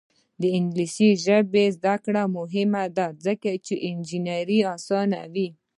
د انګلیسي ژبې زده کړه مهمه ده ځکه چې انجینري اسانوي.